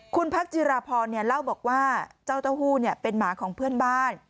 คุณพักจิราพรเล่าบอกว่าเจ้าเต้าหู้เป็นหมาของเพื่อนบ้าน